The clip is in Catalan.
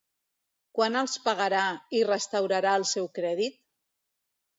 Quant els pagarà, i restaurarà el seu crèdit?